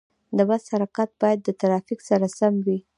د بس حرکت باید د ترافیک سره سم وي.